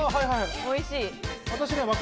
おいしい。